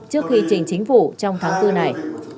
trước khi trình chính phủ trong tháng bốn này